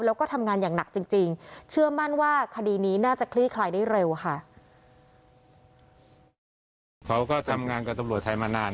แล้วก็ทำงานอย่างหนักจริงเชื่อมั่นว่าคดีนี้น่าจะคลี่คลายได้เร็วค่ะ